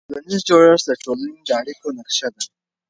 ټولنیز جوړښت د ټولنې د اړیکو نقشه ده.